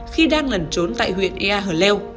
khi đang lẩn trốn tại huyện ea hở leo